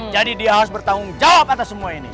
jadi dia harus bertanggung jawab atas semua ini